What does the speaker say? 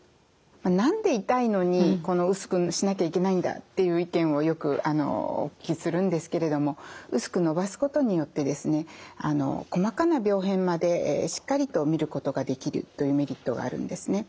何で痛いのに薄くしなきゃいけないんだっていう意見をよくお聞きするんですけれども薄くのばすことによってですね細かな病変までしっかりと見ることができるというメリットがあるんですね。